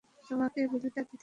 তোমাকে বিলটা দিতে হবে।